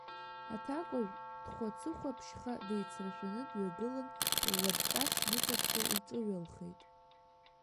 Аҭакәажә дхәацыхәаԥшьха деицрашәаны дҩагылан, ллабҷашь ныҵакшо лҿыҩалхеит.